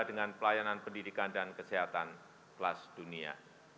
dengan pelayanan pendidikan dan kesehatan kelas dunia